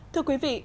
thưa quý vị